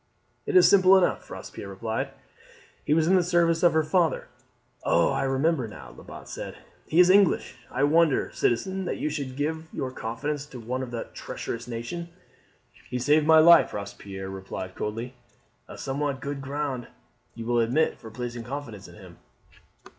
"It is simple enough," Robespierre replied. "He was in the service of her father." "Oh, I remember now," Lebat said. "He is English. I wonder, citizen, that you should give your confidence to one of that treacherous nation." "He saved my life," Robespierre replied coldly; "a somewhat good ground, you will admit, for placing confidence in him."